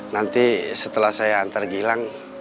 nanti setelah saya antar gilang